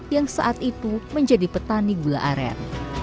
yang saat itu menjadi petani gula aren